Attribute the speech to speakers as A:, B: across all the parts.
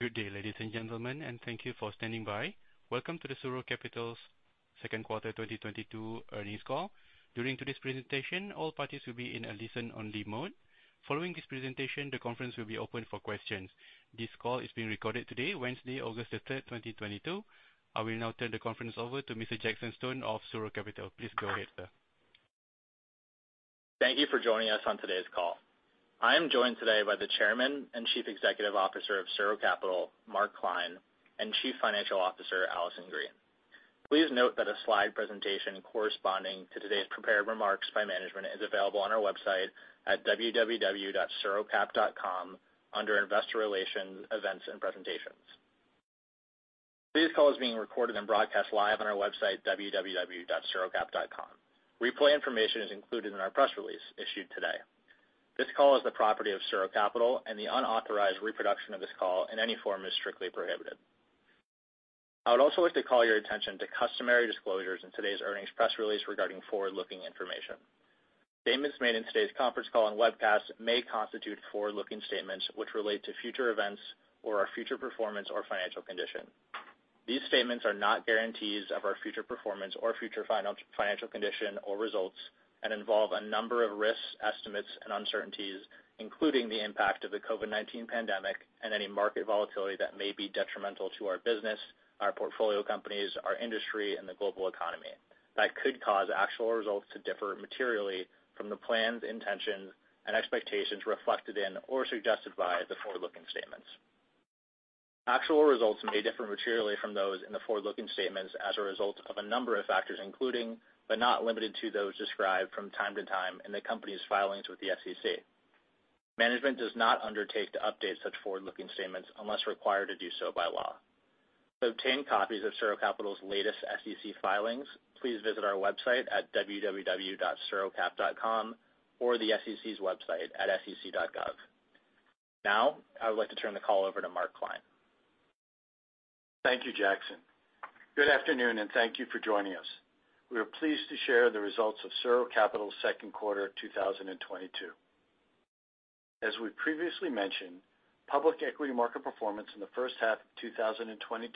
A: Good day, ladies and gentlemen, and thank you for standing by. Welcome to the SuRo Capital's second quarter 2022 earnings call. During today's presentation, all parties will be in a listen-only mode. Following this presentation, the conference will be open for questions. This call is being recorded today, Wednesday, August 3rd, 2022. I will now turn the conference over to Mr. Jackson Stone of SuRo Capital. Please go ahead, sir.
B: Thank you for joining us on today's call. I am joined today by the Chairman and Chief Executive Officer of SuRo Capital, Mark Klein, and Chief Financial Officer, Allison Green. Please note that a slide presentation corresponding to today's prepared remarks by management is available on our website at www.surocap.com under investor relations, events, and presentations. Today's call is being recorded and broadcast live on our website, www.surocap.com. Replay information is included in our press release issued today. This call is the property of SuRo Capital, and the unauthorized reproduction of this call in any form is strictly prohibited. I would also like to call your attention to customary disclosures in today's earnings press release regarding forward-looking information. Statements made in today's conference call and webcast may constitute forward-looking statements which relate to future events or our future performance or financial condition. These statements are not guarantees of our future performance or future financial condition or results, and involve a number of risks, estimates, and uncertainties, including the impact of the COVID-19 pandemic and any market volatility that may be detrimental to our business, our portfolio companies, our industry, and the global economy that could cause actual results to differ materially from the plans, intentions, and expectations reflected in or suggested by the forward-looking statements. Actual results may differ materially from those in the forward-looking statements as a result of a number of factors, including, but not limited to, those described from time to time in the company's filings with the SEC. Management does not undertake to update such forward-looking statements unless required to do so by law. To obtain copies of SuRo Capital's latest SEC filings, please visit our website at www.surocap.com or the SEC's website at sec.gov. Now, I would like to turn the call over to Mark Klein.
C: Thank you, Jackson. Good afternoon, and thank you for joining us. We are pleased to share the results of SuRo Capital's second quarter 2022. As we previously mentioned, public equity market performance in the first half of 2022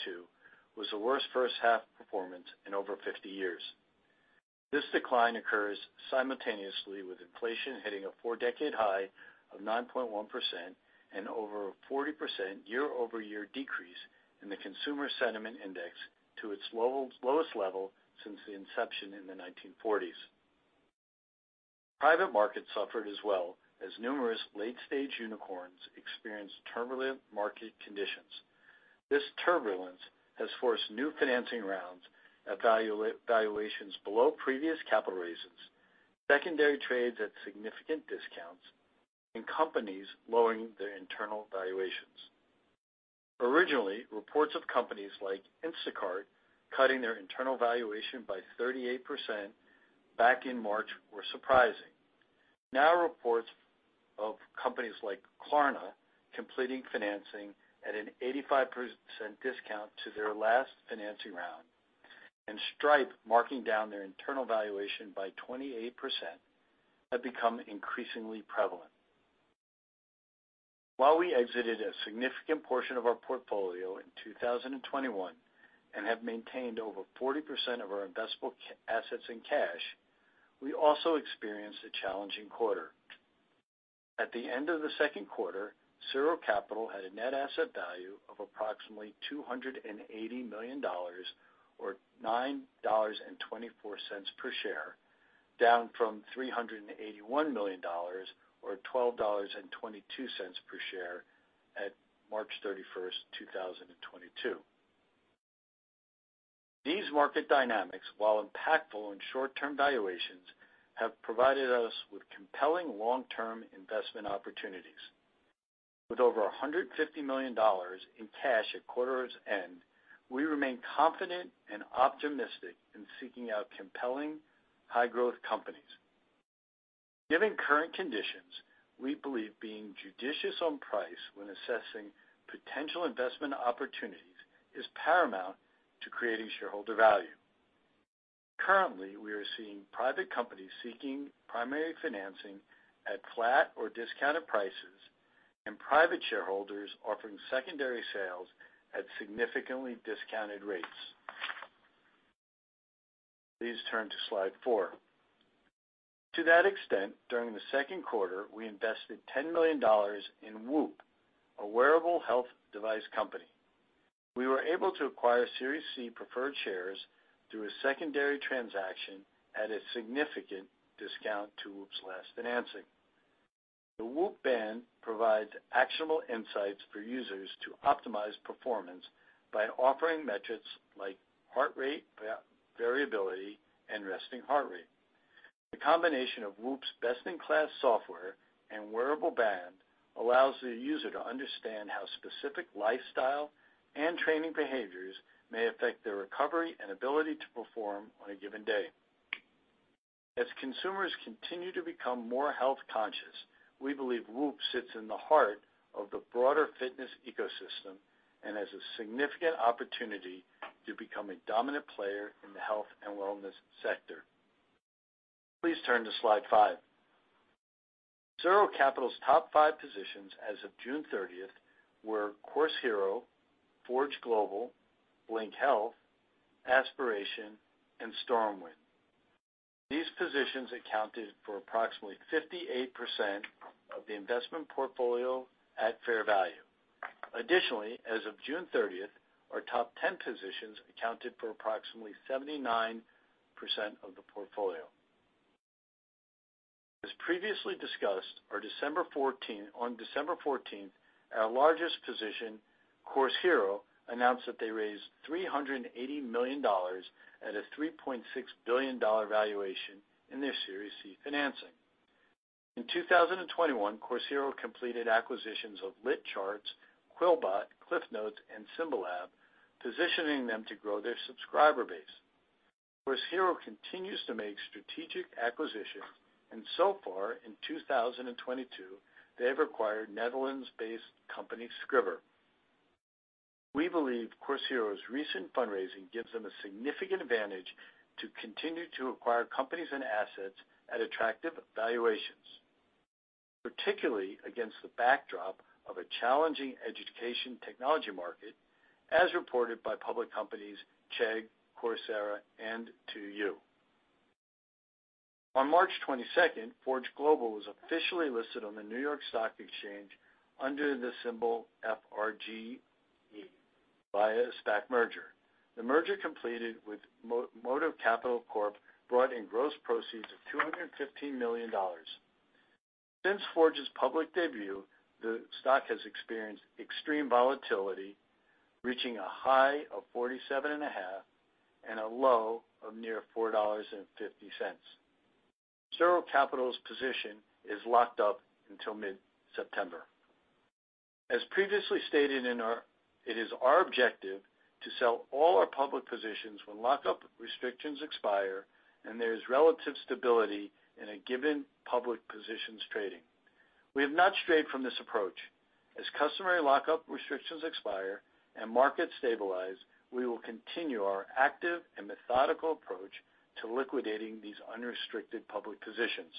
C: was the worst first half performance in over 50 years. This decline occurs simultaneously with inflation hitting a four-decade high of 9.1% and over a 40% year-over-year decrease in the Consumer Sentiment Index to its lowest level since the inception in the 1940s. Private markets suffered as well, as numerous late-stage unicorns experienced turbulent market conditions. This turbulence has forced new financing rounds at valuations below previous capital raises, secondary trades at significant discounts, and companies lowering their internal valuations. Originally, reports of companies like Instacart cutting their internal valuation by 38% back in March were surprising. Now reports of companies like Klarna completing financing at an 85% discount to their last financing round, and Stripe marking down their internal valuation by 28% have become increasingly prevalent. While we exited a significant portion of our portfolio in 2021 and have maintained over 40% of our investable cash assets in cash, we also experienced a challenging quarter. At the end of the second quarter, SuRo Capital had a net asset value of approximately $280 million or $9.24 per share, down from $381 million or $12.22 per share at March 31st, 2022. These market dynamics, while impactful in short-term valuations, have provided us with compelling long-term investment opportunities. With over $150 million in cash at quarter's end, we remain confident and optimistic in seeking out compelling high-growth companies. Given current conditions, we believe being judicious on price when assessing potential investment opportunities is paramount to creating shareholder value. Currently, we are seeing private companies seeking primary financing at flat or discounted prices and private shareholders offering secondary sales at significantly discounted rates. Please turn to slide four. To that extent, during the second quarter, we invested $10 million in WHOOP, a wearable health device company. We were able to acquire Series C preferred shares through a secondary transaction at a significant discount to WHOOP's last financing. The WHOOP band provides actionable insights for users to optimize performance by offering metrics like heart rate, variability, and resting heart rate. The combination of WHOOP's best-in-class software and wearable band allows the user to understand how specific lifestyle and training behaviors may affect their recovery and ability to perform on a given day. As consumers continue to become more health-conscious, we believe WHOOP sits in the heart of the broader fitness ecosystem and has a significant opportunity to become a dominant player in the health and wellness sector. Please turn to slide five. SuRo Capital's top five positions as of June 30th were Course Hero, Forge Global, Blink Health, Aspiration and StormWind. These positions accounted for approximately 58% of the investment portfolio at fair value. Additionally, as of June 30th, our top 10 positions accounted for approximately 79% of the portfolio. As previously discussed, on December 14th, our largest position, Course Hero, announced that they raised $380 million at a $3.6 billion valuation in their Series C financing. In 2021, Course Hero completed acquisitions of LitCharts, QuillBot, CliffsNotes, and Symbolab, positioning them to grow their subscriber base. Course Hero continues to make strategic acquisitions, and so far in 2022, they have acquired Netherlands-based company, Scribbr. We believe Course Hero's recent fundraising gives them a significant advantage to continue to acquire companies and assets at attractive valuations, particularly against the backdrop of a challenging education technology market as reported by public companies Chegg, Coursera, and 2U. On March 22nd, Forge Global was officially listed on the New York Stock Exchange under the symbol FRGE via a SPAC merger. The merger completed with Motive Capital Corp brought in gross proceeds of $215 million. Since Forge Global's public debut, the stock has experienced extreme volatility, reaching a high of $47.50, and a low of near $4.50. SuRo Capital's position is locked up until mid-September. As previously stated, it is our objective to sell all our public positions when lock-up restrictions expire and there is relative stability in a given public position's trading. We have not strayed from this approach. As customary lock-up restrictions expire and markets stabilize, we will continue our active and methodical approach to liquidating these unrestricted public positions.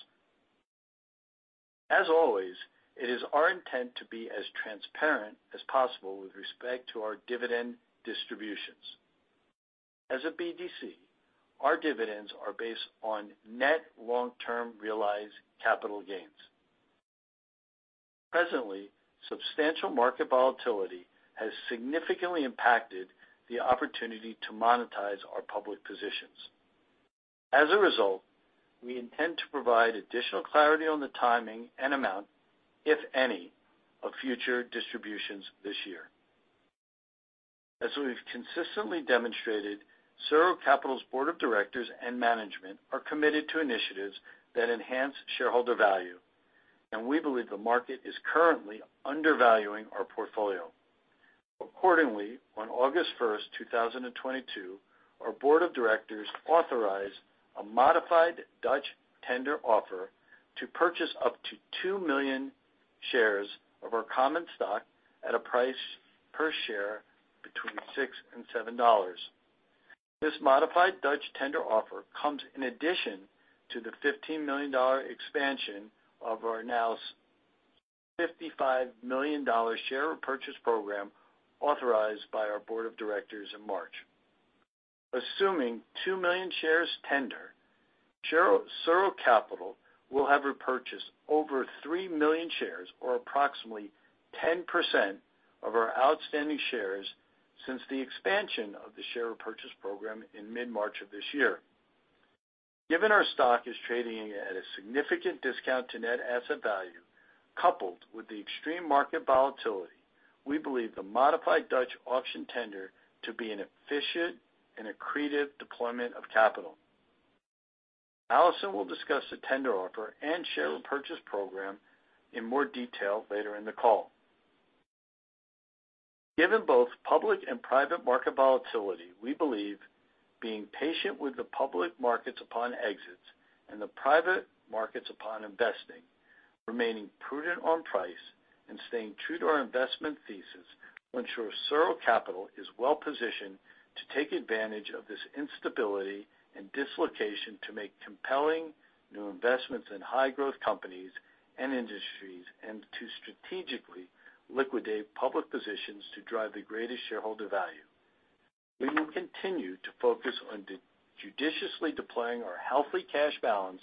C: As always, it is our intent to be as transparent as possible with respect to our dividend distributions. As a BDC, our dividends are based on net long-term realized capital gains. Presently, substantial market volatility has significantly impacted the opportunity to monetize our public positions. As a result, we intend to provide additional clarity on the timing and amount, if any, of future distributions this year. As we've consistently demonstrated, SuRo Capital's board of directors and management are committed to initiatives that enhance shareholder value, and we believe the market is currently undervaluing our portfolio. Accordingly, on August 1st, 2022, our board of directors authorized a modified Dutch tender offer to purchase up to 2 million shares of our common stock at a price per share between $6 and $7. This modified Dutch tender offer comes in addition to the $15 million expansion of our now $55 million share repurchase program authorized by our board of directors in March. Assuming 2 million shares tender, SuRo Capital will have repurchased over 3 million shares or approximately 10% of our outstanding shares since the expansion of the share repurchase program in mid-March of this year. Given our stock is trading at a significant discount to net asset value, coupled with the extreme market volatility, we believe the modified Dutch auction tender to be an efficient and accretive deployment of capital. Allison will discuss the tender offer and share repurchase program in more detail later in the call. Given both public and private market volatility, we believe being patient with the public markets upon exits and the private markets upon investing, remaining prudent on price, and staying true to our investment thesis will ensure SuRo Capital is well-positioned to take advantage of this instability and dislocation to make compelling new investments in high-growth companies and industries, and to strategically liquidate public positions to drive the greatest shareholder value. We will continue to focus on judiciously deploying our healthy cash balance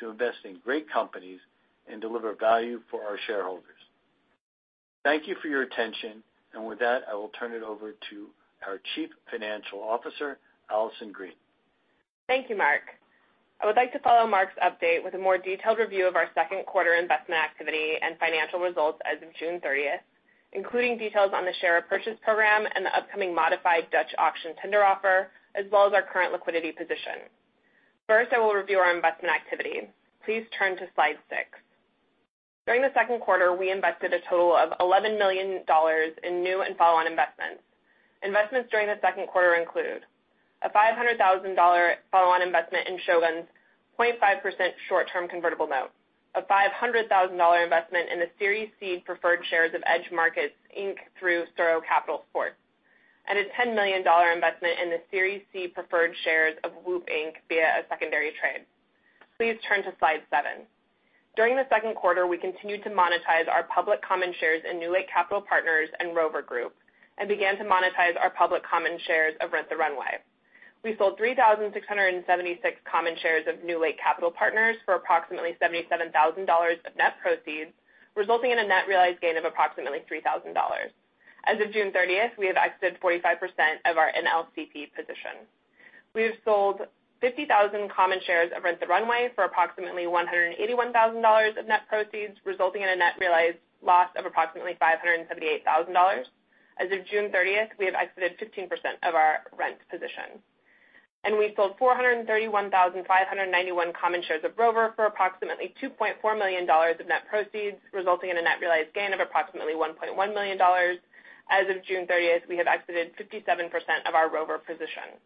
C: to invest in great companies and deliver value for our shareholders. Thank you for your attention. With that, I will turn it over to our Chief Financial Officer, Allison Green .
D: Thank you, Mark. I would like to follow Mark's update with a more detailed review of our second quarter investment activity and financial results as of June 30th, including details on the share repurchase program and the upcoming modified Dutch auction tender offer, as well as our current liquidity position. First, I will review our investment activity. Please turn to slide six. During the second quarter, we invested a total of $11 million in new and follow-on investments. Investments during the second quarter include a $500,000 follow-on investment in Shogun's 0.5% short-term convertible note, a $500,000 investment in the Series C preferred shares of EDGE Markets, Inc. through SuRo Capital Sports, LLC, and a $10 million investment in the Series C preferred shares of WHOOP, Inc. via a secondary trade. Please turn to slide seven. During the second quarter, we continued to monetize our public common shares in NewLake Capital Partners and Rover Group and began to monetize our public common shares of Rent the Runway. We sold 3,676 common shares of NewLake Capital Partners for approximately $77,000 of net proceeds, resulting in a net realized gain of approximately $3,000. As of June 30th, we have exited 45% of our NLCP position. We have sold 50,000 common shares of Rent the Runway for approximately $181,000 of net proceeds, resulting in a net realized loss of approximately $578,000. As of June 30th, we have exited 15% of our Rent position. We sold 431,591 common shares of Rover for approximately $2.4 million of net proceeds, resulting in a net realized gain of approximately $1.1 million. As of June 30th, we have exited 57% of our Rover position.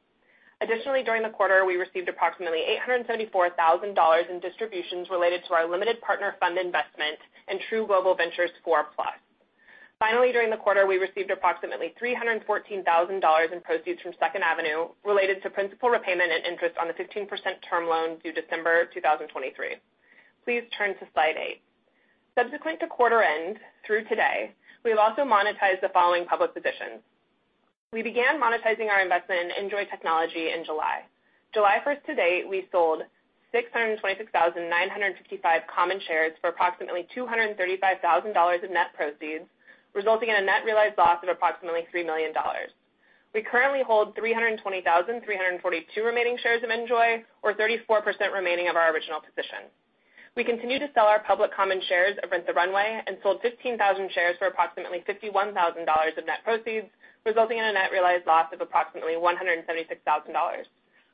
D: Additionally, during the quarter, we received approximately $874,000 in distributions related to our limited partner fund investment in True Global Ventures 4 Plus. Finally, during the quarter, we received approximately $314,000 in proceeds from Second Avenue related to principal repayment and interest on the 15% term loan due December 2023. Please turn to slide eight. Subsequent to quarter end through today, we have also monetized the following public positions. We began monetizing our investment in Enjoy Technology in July. July 1st to date, we sold 626,955 common shares for approximately $235,000 of net proceeds, resulting in a net realized loss of approximately $3 million. We currently hold 320,342 remaining shares of Enjoy or 34% remaining of our original position. We continue to sell our public common shares of Rent the Runway and sold 15,000 shares for approximately $51,000 of net proceeds, resulting in a net realized loss of approximately $176,000.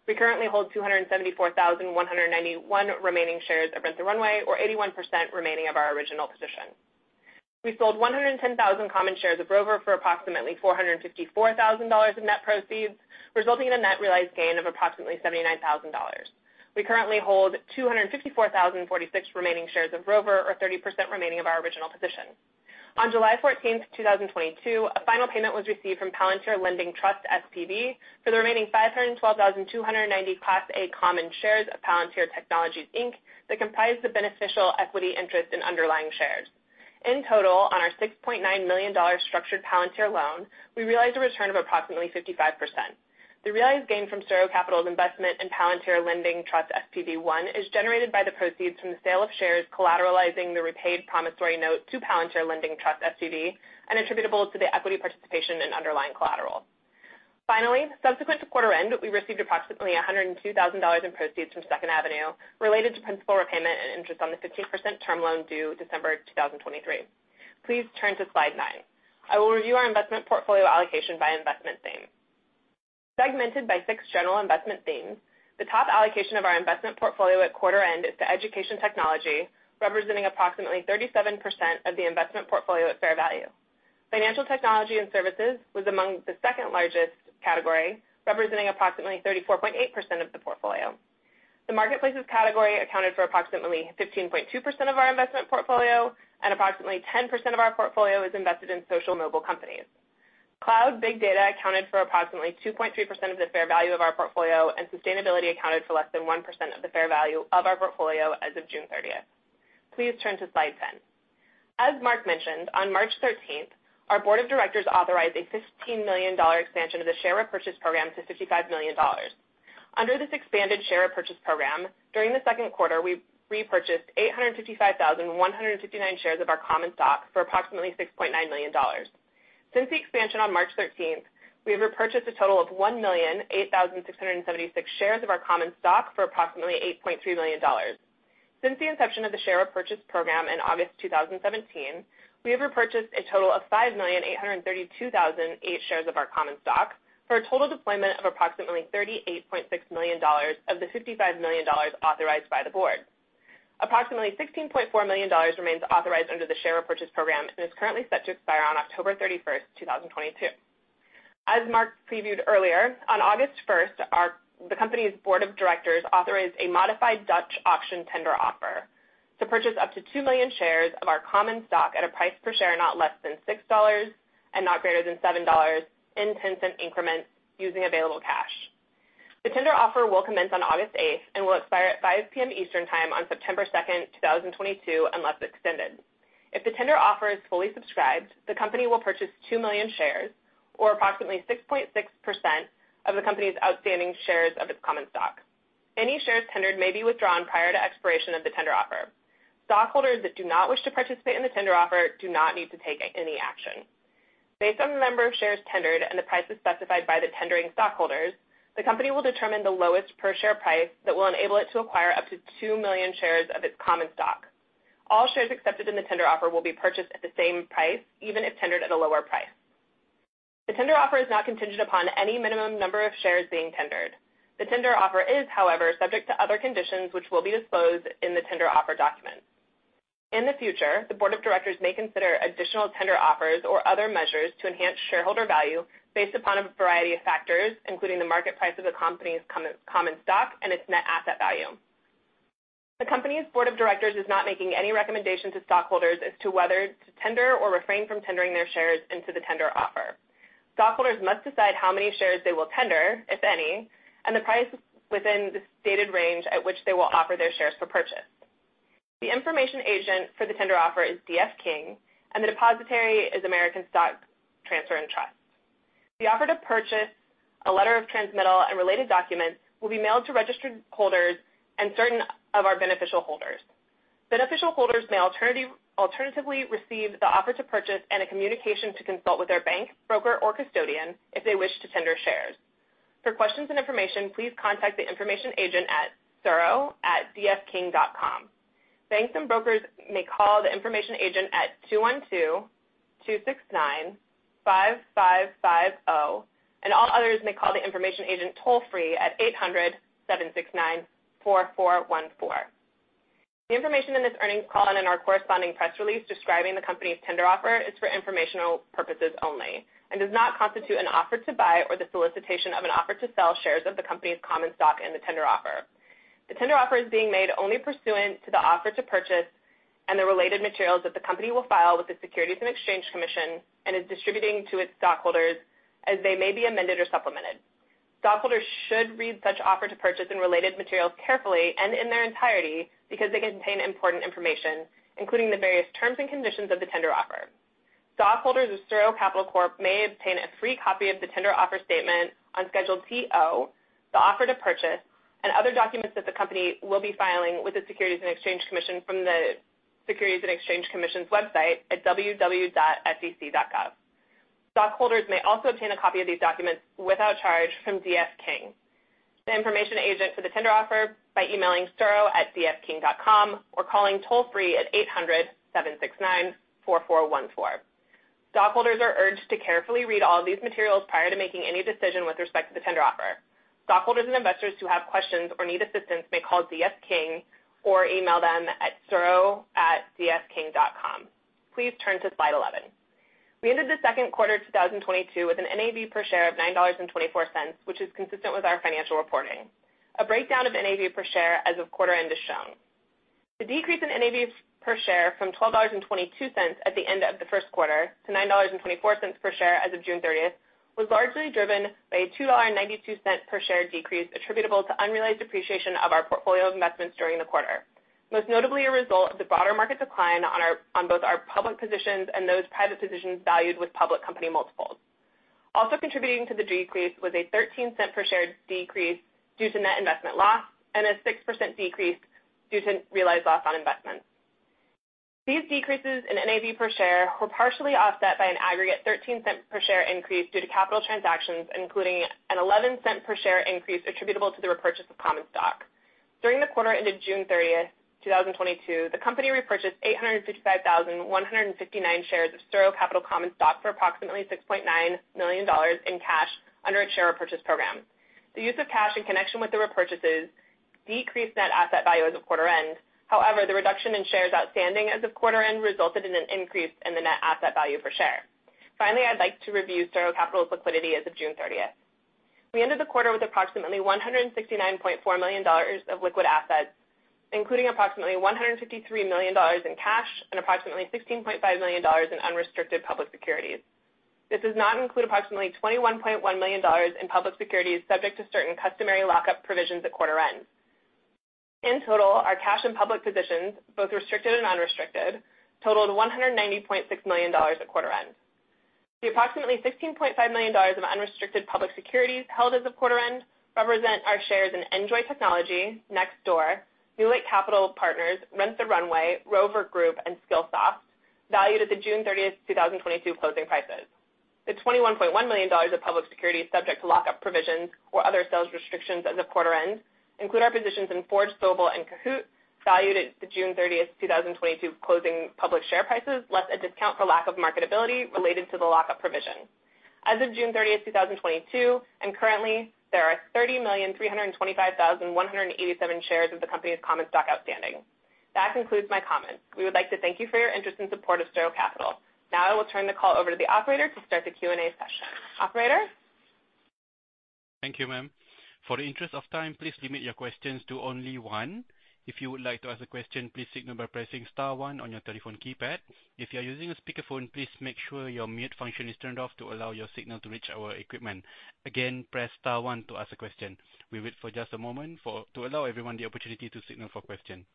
D: We currently hold 274,191 remaining shares of Rent the Runway or 81% remaining of our original position. We sold 110,000 common shares of Rover for approximately $454,000 of net proceeds, resulting in a net realized gain of approximately $79,000. We currently hold 254,046 remaining shares of Rover or 30% remaining of our original position. On July 14th, 2022, a final payment was received from Palantir Lending Trust SPV for the remaining 512,290 class A common shares of Palantir Technologies Inc. that comprise the beneficial equity interest in underlying shares. In total, on our $6.9 million structured Palantir loan, we realized a return of approximately 55%. The realized gain from SuRo Capital's investment in Palantir Lending Trust SPV I is generated by the proceeds from the sale of shares collateralizing the repaid promissory note to Palantir Lending Trust SPV I and attributable to the equity participation in underlying collateral. Finally, subsequent to quarter end, we received approximately $102,000 in proceeds from Second Avenue related to principal repayment and interest on the 15% term loan due December 2023. Please turn to slide nine. I will review our investment portfolio allocation by investment theme. Segmented by six general investment themes, the top allocation of our investment portfolio at quarter end is to education technology, representing approximately 37% of the investment portfolio at fair value. Financial technology and services was among the second largest category, representing approximately 34.8% of the portfolio. The marketplaces category accounted for approximately 15.2% of our investment portfolio, and approximately 10% of our portfolio is invested in social mobile companies. Cloud big data accounted for approximately 2.3% of the fair value of our portfolio, and sustainability accounted for less than 1% of the fair value of our portfolio as of June 30th. Please turn to slide 10. As Mark mentioned, on March 13th, our board of directors authorized a $15 million expansion of the share repurchase program to $55 million. Under this expanded share purchase program, during the second quarter, we repurchased 855,159 shares of our common stock for approximately $6.9 million. Since the expansion on March 13th, we have repurchased a total of 1,008,676 shares of our common stock for approximately $8.3 million. Since the inception of the share repurchase program in August 2017, we have repurchased a total of 5,832,008 shares of our common stock for a total deployment of approximately $38.6 million of the $55 million authorized by the board. Approximately $16.4 million remains authorized under the share repurchase program and is currently set to expire on October 31st, 2022. As Mark previewed earlier, on August 1st, the company's board of directors authorized a modified Dutch auction tender offer to purchase up to 2 million shares of our common stock at a price per share not less than $6 and not greater than $7 in 10cent increments using available cash. The tender offer will commence on August 8th and will expire at 5:00 P.M. Eastern Time on September 2nd, 2022, unless extended. If the tender offer is fully subscribed, the company will purchase 2 million shares or approximately 6.6% of the company's outstanding shares of its common stock. Any shares tendered may be withdrawn prior to expiration of the tender offer. Stockholders that do not wish to participate in the tender offer do not need to take any action. Based on the number of shares tendered and the prices specified by the tendering stockholders, the company will determine the lowest per share price that will enable it to acquire up to 2 million shares of its common stock. All shares accepted in the tender offer will be purchased at the same price, even if tendered at a lower price. The tender offer is not contingent upon any minimum number of shares being tendered. The tender offer is, however, subject to other conditions which will be disclosed in the tender offer document. In the future, the board of directors may consider additional tender offers or other measures to enhance shareholder value based upon a variety of factors, including the market price of the company's common stock and its net asset value. The company's board of directors is not making any recommendation to stockholders as to whether to tender or refrain from tendering their shares into the tender offer. Stockholders must decide how many shares they will tender, if any, and the price within the stated range at which they will offer their shares for purchase. The information agent for the tender offer is D.F. King, and the depositary is American Stock Transfer & Trust. The offer to purchase a letter of transmittal and related documents will be mailed to registered holders and certain of our beneficial holders. Beneficial holders may alternatively receive the offer to purchase and a communication to consult with their bank, broker or custodian if they wish to tender shares. For questions and information, please contact the information agent at suro@dfking.com. Banks and brokers may call the information agent at 212-269-5550, and all others may call the information agent toll free at 800-769-4414. The information in this earnings call and in our corresponding press release describing the company's tender offer is for informational purposes only and does not constitute an offer to buy or the solicitation of an offer to sell shares of the company's common stock in the tender offer. The tender offer is being made only pursuant to the offer to purchase and the related materials that the company will file with the Securities and Exchange Commission and is distributing to its stockholders as they may be amended or supplemented. Stockholders should read such offer to purchase and related materials carefully and in their entirety because they contain important information, including the various terms and conditions of the tender offer. Stockholders of SuRo Capital Corp. may obtain a free copy of the tender offer statement on Schedule TO, the offer to purchase, and other documents that the company will be filing with the Securities and Exchange Commission from the Securities and Exchange Commission's website at www.sec.gov. Stockholders may also obtain a copy of these documents without charge from D.F. King, the information agent for the tender offer, by emailing suro@dfking.com or calling toll free at 800-769-4414. Stockholders are urged to carefully read all these materials prior to making any decision with respect to the tender offer. Stockholders and investors who have questions or need assistance may call D.F. King or email them at suro@dfking.com. Please turn to slide 11. We ended the second quarter 2022 with an NAV per share of $9.24, which is consistent with our financial reporting. A breakdown of NAV per share as of quarter end is shown. The decrease in NAV per share from $12.22 at the end of the first quarter to $9.24 per share as of June 30th was largely driven by a $2.92 per share decrease attributable to unrealized depreciation of our portfolio of investments during the quarter, most notably a result of the broader market decline on both our public positions and those private positions valued with public company multiples. Also contributing to the decrease was a $0.13 per share decrease due to net investment loss and a 6% decrease due to realized loss on investments. These decreases in NAV per share were partially offset by an aggregate $0.13 per share increase due to capital transactions, including a $0.11 per share increase attributable to the repurchase of common stock. During the quarter ended June 30th, 2022, the company repurchased 865,159 shares of SuRo Capital common stock for approximately $6.9 million in cash under its share repurchase program. The use of cash in connection with the repurchases decreased net asset value as of quarter end. However, the reduction in shares outstanding as of quarter end resulted in an increase in the net asset value per share. Finally, I'd like to review SuRo Capital's liquidity as of June 30th. We ended the quarter with approximately $169.4 million of liquid assets, including approximately $153 million in cash and approximately $16.5 million in unrestricted public securities. This does not include approximately $21.1 million in public securities subject to certain customary lockup provisions at quarter end. In total, our cash and public positions, both restricted and unrestricted, totaled $190.6 million at quarter end. The approximately $16.5 million of unrestricted public securities held as of quarter end represent our shares in Enjoy Technology, Nextdoor, NewLake Capital Partners, Rent the Runway, Rover Group, and Skillsoft, valued at the June 30th, 2022 closing prices. The $21.1 million of public securities subject to lockup provisions or other sales restrictions as of quarter end include our positions in Forge Global, SoFi and Kahoot valued at the June 30th, 2022 closing public share prices, less a discount for lack of marketability related to the lockup provision. As of June 30th, 2022, there are 30,325,187 shares of the company's common stock outstanding. That concludes my comments. We would like to thank you for your interest and support of SuRo Capital. Now I will turn the call over to the operator to start the Q and A session. Operator?
A: Thank you, ma'am. For the interest of time, please limit your questions to only one. If you would like to ask a question, please signal by pressing star one on your telephone keypad. If you are using a speakerphone, please make sure your mute function is turned off to allow your signal to reach our equipment. Again, press star one to ask a question. We wait for just a moment to allow everyone the opportunity to signal for question.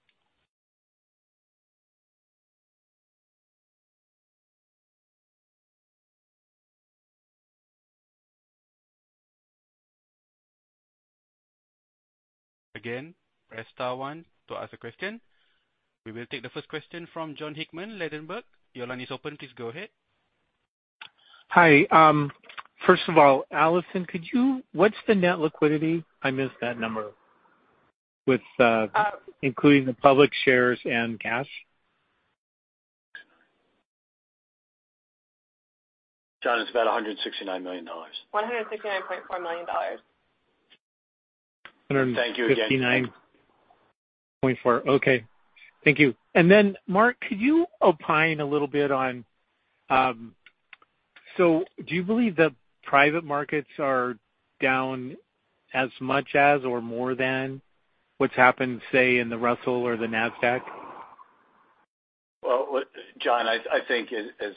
A: Again, press star one to ask a question. We will take the first question from Jon Hickman, Ladenburg. Your line is open. Please go ahead.
E: Hi. First of all, Allison, what's the net liquidity? I missed that number. With, including the public shares and cash.
C: Jon, it's about $169 million.
D: $169.4 million.
E: $ 169.4. Okay, thank you. Mark, could you opine a little bit on. So do you believe that private markets are down as much as or more than what's happened, say, in the Russell or the Nasdaq?
C: Jon, I think as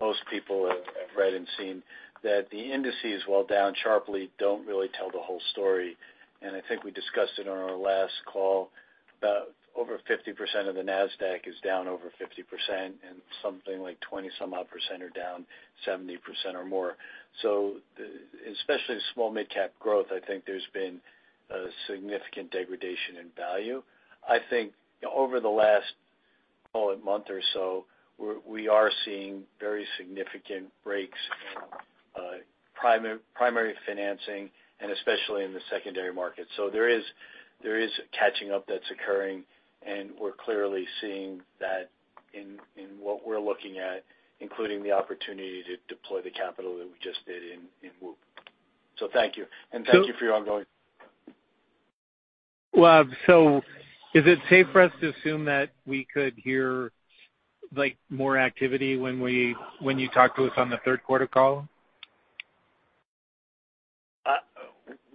C: most people have read and seen, that the indices, while down sharply, don't really tell the whole story. I think we discussed it on our last call. Over 50% of the Nasdaq is down over 50% and something like 20-some-odd% are down 70% or more. Especially small midcap growth, I think there's been a significant degradation in value. I think over the last, call it, month or so, we are seeing very significant breaks in primary financing and especially in the secondary market. There is catching up that's occurring, and we're clearly seeing that in what we're looking at, including the opportunity to deploy the capital that we just did in WHOOP. Thank you. Thank you for your ongoing
E: Well, is it safe for us to assume that we could hear, like, more activity when you talk to us on the third quarter call?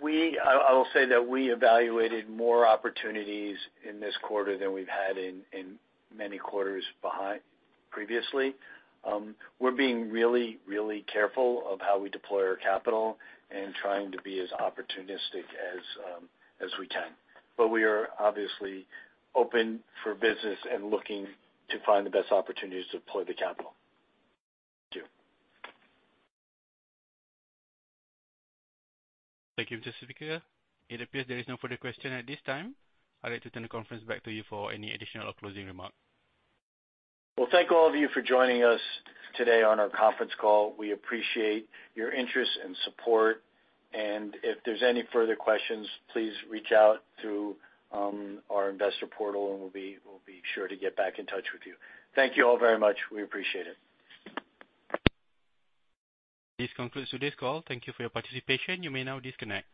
C: I will say that we evaluated more opportunities in this quarter than we've had in many quarters previously. We're being really careful of how we deploy our capital and trying to be as opportunistic as we can. We are obviously open for business and looking to find the best opportunities to deploy the capital.
E: Thank you.
A: Thank you, Mr. Hickman. It appears there is no further question at this time. I'd like to turn the conference back to you for any additional closing remarks.
C: Well, thank all of you for joining us today on our conference call. We appreciate your interest and support. If there's any further questions, please reach out through our investor portal, and we'll be sure to get back in touch with you. Thank you all very much. We appreciate it.
A: This concludes today's call. Thank you for your participation. You may now disconnect.